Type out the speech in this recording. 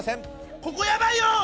ここやばいよ！